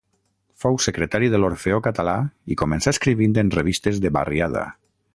Fou secretari de l'Orfeó Català i començà escrivint en revistes de barriada.